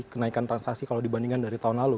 kenaikan transaksi kalau dibandingkan dari tahun lalu